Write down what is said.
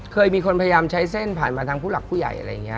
เคยมีคนพยายามใช้เส้นผ่านมาทางผู้หลักผู้ใหญ่อะไรอย่างนี้